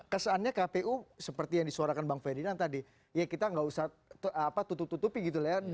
kesannya kpu seperti yang disuarakan bang ferdinand tadi ya kita nggak usah tutup tutupi gitu ya